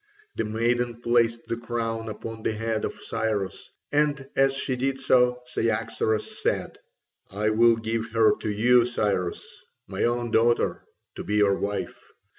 The maiden placed the crown upon the head of Cyrus, and as she did so Cyaxares said: "I will give her to you, Cyrus, my own daughter, to be your wife.